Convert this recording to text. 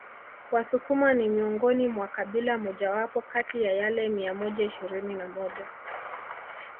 wasukuma ni miongoni mwa kabila mojawapo kati ya yale mia moja ishirini na moja